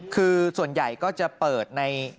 คือส่วนใหญ่ก็จะเปิดใน